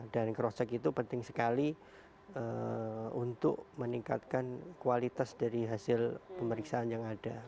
dan cross check itu penting sekali untuk meningkatkan kualitas dari hasil pemeriksaan yang ada